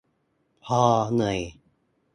พอเหนื่อย